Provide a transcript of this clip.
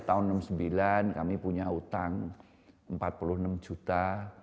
tahun seribu sembilan ratus enam puluh sembilan kami punya utang empat puluh enam juta